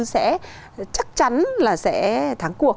sẽ chắc chắn là sẽ thắng cuộc